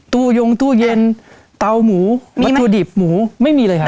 ยงตู้เย็นเตาหมูวัตถุดิบหมูไม่มีเลยค่ะ